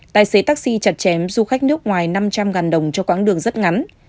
tài xế taxi chặt chém du khách nước ngoài năm trăm linh đồng cho quãng đường rất ngắn